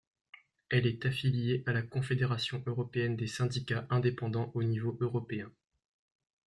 Elle est affiliée à la Confédération européenne des syndicats indépendants au niveau européen.